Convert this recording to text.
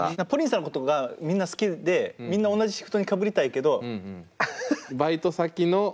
ＰＯＲＩＮさんのことがみんな好きでみんな同じシフトにかぶりたいけど。